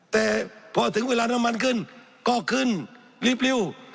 แต่พอถึงเวลาน้ำมันขึ้นก็ขึ้นรีบ